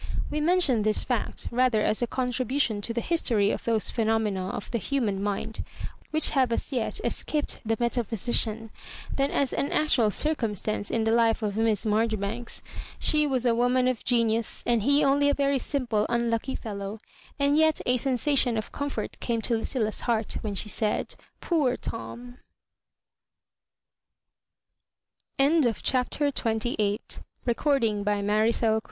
We mention this fact rather as a contribution to the history of those phenomena of the human mind, which have as yet escaped the meta physician, than as an actual circumstance i^ the life of Miss Marjoribanks. She was a woman of gonitis, and he only a very simple, unlucky fel low ; and yet a sensation of comfort came to Liv cilia's heart when she said " Poor Tom 1"^ CHAPTER XXIX Miss Marjoribank